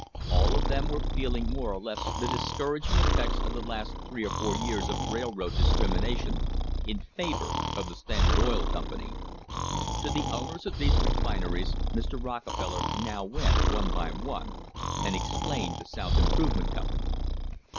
All of them were feeling more or less the discouraging effects of the last three or four years of rail road discriminations in favour of the Standard Oil Company. To the owners of these refineries Mr. Rockefeller now went one by one, and explained the South Improvement Company.